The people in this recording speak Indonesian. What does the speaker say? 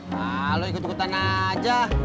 nah lo ikut ikutan aja